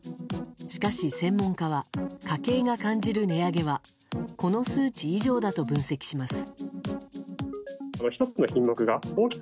しかし、専門家は家計が感じる値上げはこの数値以上だと分析します。